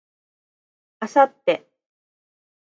明後日